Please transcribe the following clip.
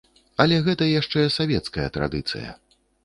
Але гэта яшчэ савецкая традыцыя.